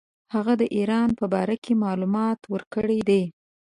هغه د ایران په باره کې معلومات ورکړي دي.